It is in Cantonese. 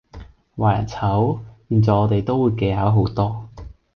話人醜，現在我哋都會技巧好多